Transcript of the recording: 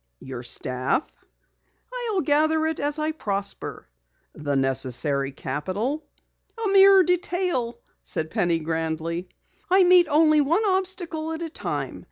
"Your staff?" "I'll gather it as I prosper." "The necessary capital?" "A mere detail," said Penny grandly. "I meet only one obstacle at a time.